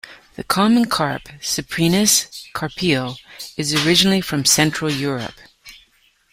The common carp, "Cyprinus carpio", is originally from Central Europe.